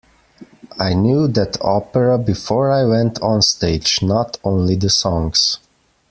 I knew that opera before I went onstage, not only the songs.